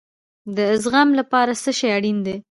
د زغم لپاره څه شی اړین دی؟